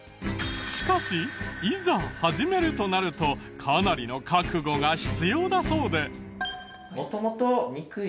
しかしいざ始めるとなるとかなりの覚悟が必要だそうで。